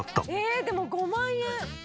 「ええでも５万円！」